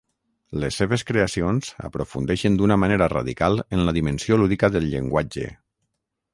Les seves creacions aprofundeixen d'una manera radical en la dimensió lúdica del llenguatge.